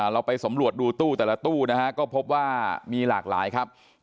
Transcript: เราไปสำรวจดูตู้แต่ละตู้นะฮะก็พบว่ามีหลากหลายครับ